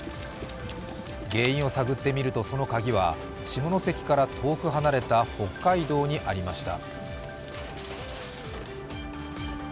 原因を探ってみると、そのカギは下関から遠く離れた北海道にありました。